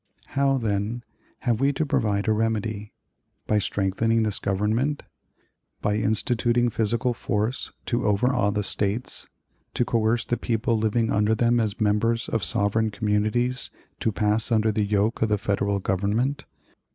How, then, have we to provide a remedy? By strengthening this Government? By instituting physical force to overawe the States, to coerce the people living under them as members of sovereign communities to pass under the yoke of the Federal Government?